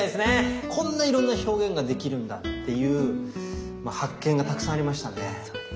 こんないろんな表現ができるんだっていう発見がたくさんありましたね。